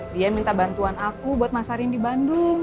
dia minta bantuan aku buat masarin di bandung